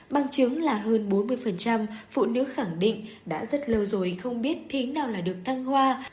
bằng chứng là hơn bốn mươi phụ nữ khẳng định đã rất lâu rồi không biết thế nào là được thăng hoa